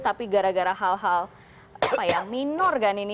tapi gara gara hal hal minor kan ini